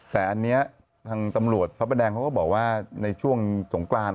แต่อันนี้ทางตำรวจพระประแดงเขาก็บอกว่าในช่วงสงกราน